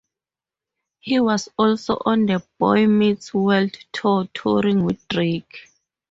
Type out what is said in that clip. He was also on the Boy Meets World Tour touring with Drake.